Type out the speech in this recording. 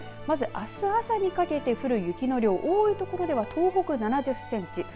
まずあす朝にかけて降る雪の量多い所では東北７０センチ。